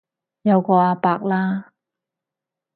有個阿伯啦